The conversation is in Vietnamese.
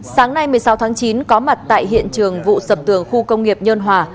sáng nay một mươi sáu tháng chín có mặt tại hiện trường vụ sập tường khu công nghiệp nhân hòa